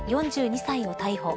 ４２歳を逮捕。